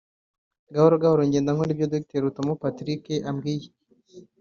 gahoro gahoro ngenda nkora ibyo Doctor Rutamu Patrick ambwiye’’